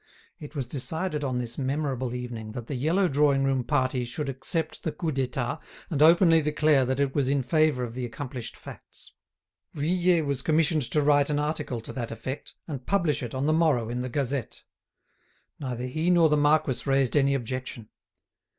It was decided on this memorable evening that the yellow drawing room party should accept the Coup d'État and openly declare that it was in favour of accomplished facts. Vuillet was commissioned to write an article to that effect, and publish it on the morrow in the "Gazette." Neither he nor the marquis raised any objection.